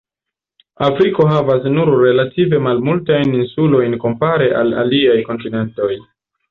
Afriko havas nur relative malmultajn insulojn kompare al aliaj kontinentoj.